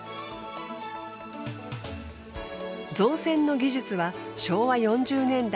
造船の技術は昭和４０年代